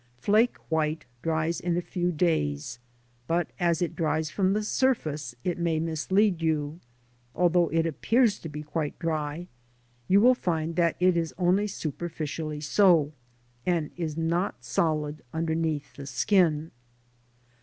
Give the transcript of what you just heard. Flake white dries in a few days, but as it dries from the surface it may mislead you ; although it appears to be quite dry, you will find that it is only superficially so, and is not solid underneath the skin.